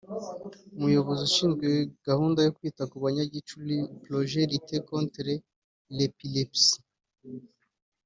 Umuyobozi ushinzwe gahunda yo kwita ku banyagicuri (projet de lutte contre l’epilepsy)